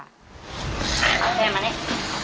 โอเคมานี่